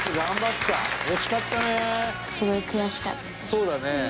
そうだね。